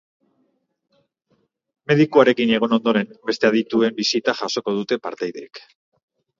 Medikuarekin egon ondoren, beste adituen bisita jasoko dute partaideek.